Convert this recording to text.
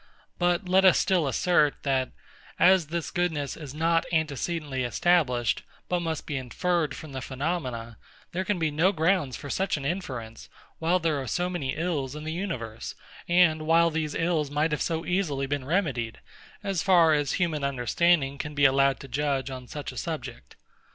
But let us still assert, that as this goodness is not antecedently established, but must be inferred from the phenomena, there can be no grounds for such an inference, while there are so many ills in the universe, and while these ills might so easily have been remedied, as far as human understanding can be allowed to judge on such a subject.